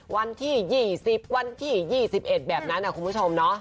วันที่๒๐วันที่๒๑แบบนั้นคุณผู้ชมเนาะ